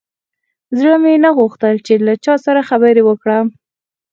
زړه مې نه غوښتل چې له چا سره خبرې وکړم.